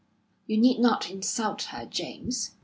"You need not insult her, James."